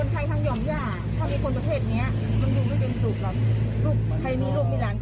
คนไทยทางยอมย่าถ้ามีคนประเทศนี้